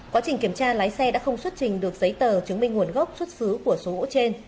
quá trình kiểm tra lái xe đã không xuất trình được giấy tờ chứng minh nguồn gốc xuất xứ của số gỗ trên